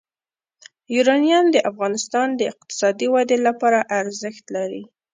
یورانیم د افغانستان د اقتصادي ودې لپاره ارزښت لري.